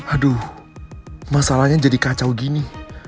aduh masalahnya jadi kacau gini